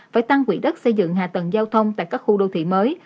phải tăng quỹ đất xây dựng hạ tầng giao thông tại các khu đô thị mới